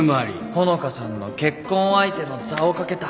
穂香さんの結婚相手の座を懸けた。